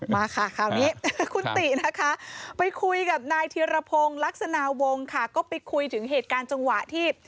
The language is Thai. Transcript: มาค่ะคราวนี้คุณตินะคะไปคุยกับนายธิรพงศ์ลักษณะวงค่ะก็ไปคุยถึงเหตุการณ์จังหวะที่